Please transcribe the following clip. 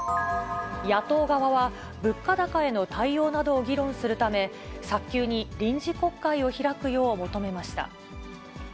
野党側は、物価高への対応などを議論するため、早急に臨時国会を開くよう求めました。